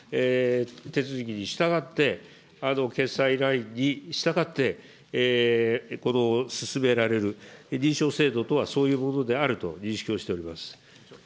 手続きに従って、決済ラインにしたがって、進められる、認証制度とはそういうものであると認識をしております。